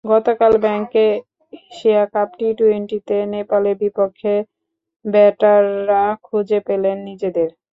গতকাল ব্যাংককে Asia Cup টি–টোয়েন্টিতে নেপালের বিপক্ষে ব্যাটাররা খুঁজে পেলেন নিজেদের।